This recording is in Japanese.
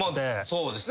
そうですね。